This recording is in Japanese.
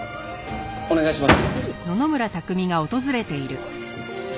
お願いします。